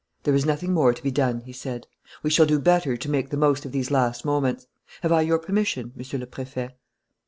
"There is nothing more to be done," he said. "We shall do better to make the most of these last moments. Have I your permission, Monsieur le Préfet?"